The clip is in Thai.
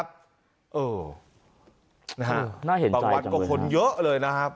บางวันก็คนเยอะเลยนะครับ